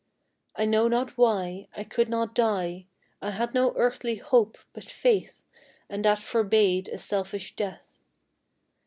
I know not why I could not die, I had no earthly hope but faith, And that forbade a selfish death.